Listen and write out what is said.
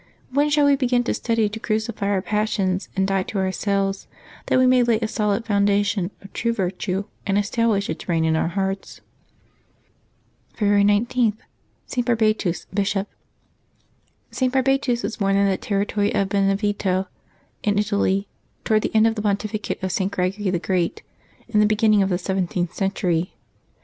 When shall we begin to study to crucify our passions and die to ourselves, that we may Febeuaby 19] LIVES OF TEE SAINTS 79 lay a solid foundation of true virtue and establish its reign in our hearts? February ig.—ST. BARBATUS, Bishop. [t. Barbatus was born in the territory of Benevento in Italy, toward the end of the pontificate of St. Greg ory the Great, in the beginning of the seventh century.